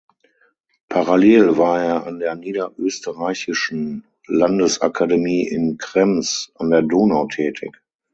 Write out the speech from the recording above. Parallel war er an der Niederösterreichischen Landesakademie in Krems an der Donau tätig.